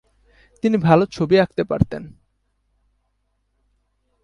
তিনি ভাল ছবি আঁকতে পারতেন।